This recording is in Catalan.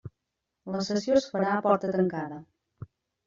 La sessió es farà a porta tancada.